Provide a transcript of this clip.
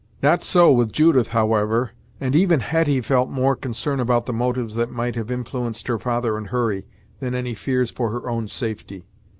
Not so with Judith, however; and even Hetty felt more concern about the motives that might have influenced her father and Hurry, than any fears for her own safety.